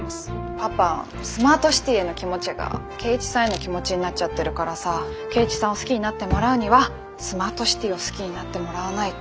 パパスマートシティへの気持ちが圭一さんへの気持ちになっちゃってるからさ圭一さんを好きになってもらうにはスマートシティを好きになってもらわないと。